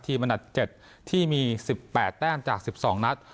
อันดับ๗ที่มี๑๘แต้มจาก๑๒นัด